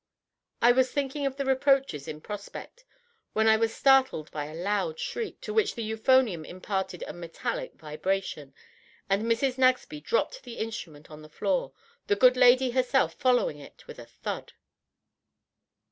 I was thinking of the reproaches in prospect, when I was startled by a loud shriek, to which the euphonium imparted a metallic vibration, and Mrs. Nagsby dropped the instrument on to the floor, the good lady herself following it with a thud.